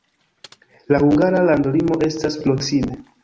La hungara landlimo estas proksime.